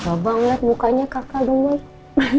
gak banget mukanya kakak rumah